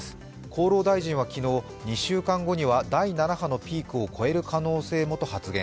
厚労大臣は昨日、２週間後には第７波も超える可能性もと発言。